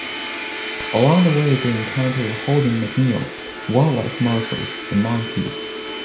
Along the way they encounter Holden McNeil, wildlife marshals, and monkeys.